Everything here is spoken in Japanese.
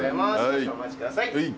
少々お待ちください。